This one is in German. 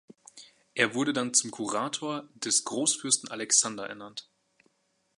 Er wurde dann zum Kurator des Großfürsten Alexander ernannt.